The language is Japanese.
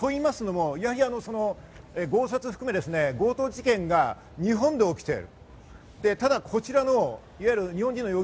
というのも強殺含め、強盗事件が日本で起きている。